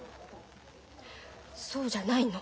そうじゃないの。